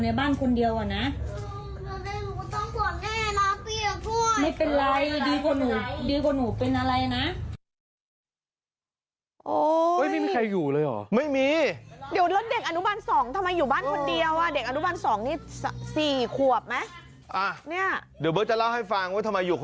ไม่เป็นไรดีกว่าหนู